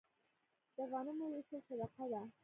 د غنمو ویشل صدقه ده.